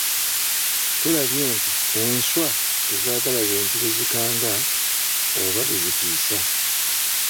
Tulabye nti enswa tezaagala bintu bizikanga oba bizitiisa.